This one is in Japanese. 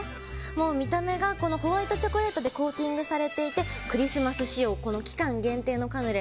見た目がホワイトチョコレートでコーティングされていてクリスマス仕様期間限定のカヌレ。